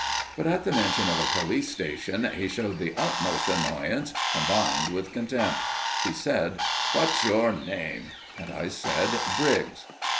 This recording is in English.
But at the mention of a police station he showed the utmost annoyance, combined with contempt. He said: "What's your name?" And I said: "Briggs."